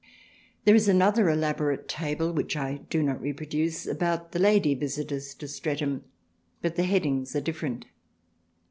There is another elaborate table which I do not reproduce about the Lady visitors to Streatham, but the headings are different.